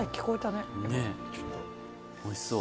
ねっおいしそう。